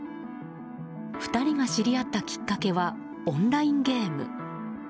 ２人が知り合ったきっかけはオンラインゲーム。